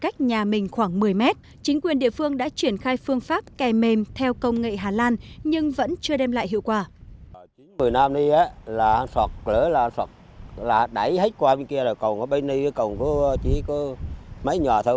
cách nhà mình khoảng một mươi mét chính quyền địa phương đã triển khai phương pháp kè mềm theo công nghệ hà lan nhưng vẫn chưa đem lại hiệu quả